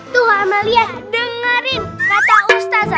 tuhan melihat dengerin kata ustazah